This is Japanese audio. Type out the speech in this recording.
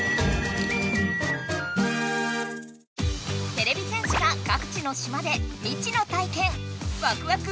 てれび戦士が各地の島で未知の体験